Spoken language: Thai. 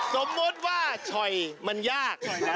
ถ้าสมมติว่าชอยมันยาก